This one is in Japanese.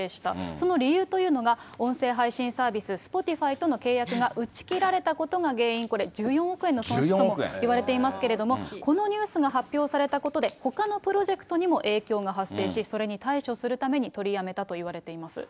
その理由というのが、音声配信サービス、Ｓｐｏｔｉｆｙとの契約が打ち切られたことが原因、これ、１４億円の損失ともいわれていますけれども、このニュースが発表されたことで、ほかのプロジェクトにも影響が発生し、それに対処するために取りやめたといわれています。